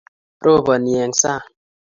roponi eng sang